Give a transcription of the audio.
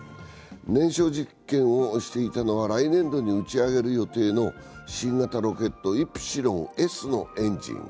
燃焼実験をしていたのは来年度に打ち上げる予定の新型ロケット「イプシロンＳ」のエンジン。